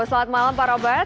selamat malam pak robert